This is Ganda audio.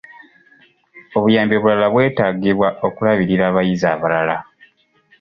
Obuyambi obulala bwetaagibwa okulabirira abayizi abalala.